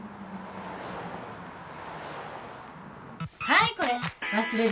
はいこれ。